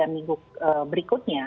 tiga minggu berikutnya